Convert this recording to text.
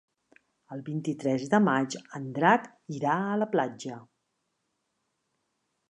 El vint-i-tres de maig en Drac irà a la platja.